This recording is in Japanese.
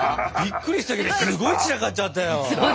びっくりしたけどすごい散らかっちゃったよ。